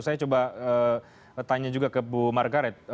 saya coba tanya juga ke bu margaret